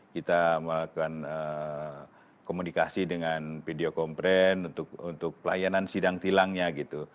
kita melakukan komunikasi dengan video kompren untuk pelayanan sidang tilangnya gitu